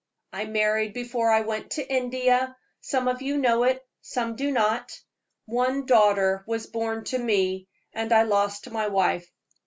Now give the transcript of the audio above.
I married before I went to India some of you know it, some do not. One daughter was born to me, and I lost my wife.